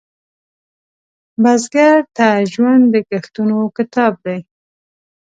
بزګر ته ژوند د کښتونو کتاب دی